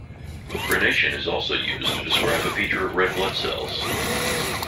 Crenation is also used to describe a feature of red blood cells.